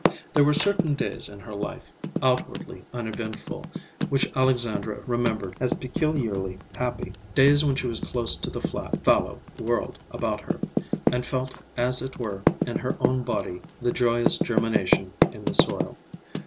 There were certain days in her life, outwardly uneventful, which Alexandra remembered as peculiarly happy; days when she was close to the flat, fallow world about her, and felt, as it were, in her own body the joyous germination in the soil.